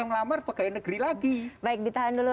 ngelamar pegawai negeri lagi baik ditahan dulu